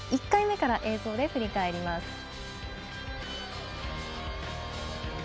１回目から映像で振り返ります。